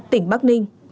tỉnh bắc ninh